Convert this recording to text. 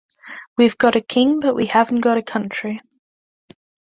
We've got a King, but we haven't got a country.